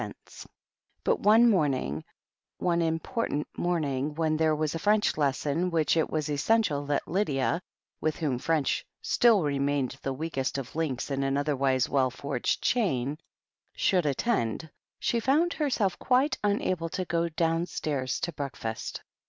42 THE HEEL OF ACHILLES 43 But one morning, one important morning when there was a French lesson which it was essential that Lydia, with whom French still remained the weakest of links in an otherwise well forged chain, should at tendy she found herself quite unable to go downstairs to breakfast.